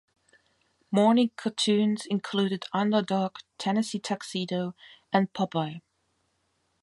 Morning cartoons included "Underdog", "Tennessee Tuxedo" and "Popeye".